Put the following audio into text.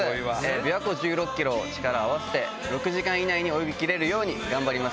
琵琶湖１６ｋｍを力を合わせて６時間以内に泳ぎきれるように頑張ります。